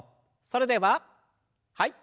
それでははい。